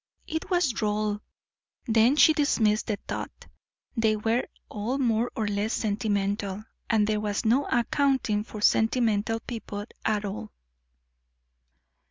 It was droll. Then she dismissed the thought. They were all more or less sentimental, and there was no accounting for sentimental people at all.